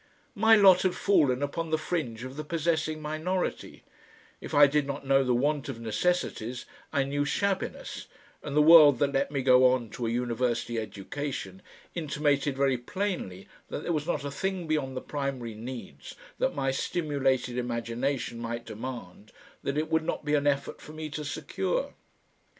My lot had fallen upon the fringe of the possessing minority; if I did not know the want of necessities I knew shabbiness, and the world that let me go on to a university education intimated very plainly that there was not a thing beyond the primary needs that my stimulated imagination might demand that it would not be an effort for me to secure.